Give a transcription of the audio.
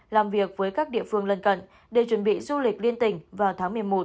làm việc với các địa phương lân cận để chuẩn bị du lịch liên tỉnh vào tháng một mươi một